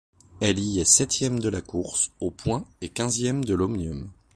Elle y est septième de la course aux points et quinzième de l'omnium.